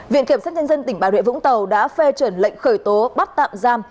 viện kiểm soát nhân dân tỉnh bà rịa vũng tàu đã phê trần lệnh khởi tố bắt tạm giam